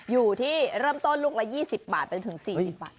อยู่ที่เริ่มต้นลูกละ๒๐บาทไปถึง๔๐บาท